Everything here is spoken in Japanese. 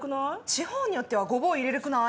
地方によってはゴボウ入れるくない？